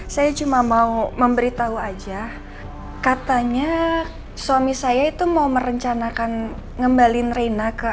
saya cuma mau memberitahu aja katanya suami saya itu mau merencanakan ngembalin reina ke